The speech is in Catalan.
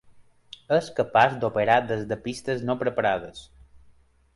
És capaç d'operar des de pistes no preparades.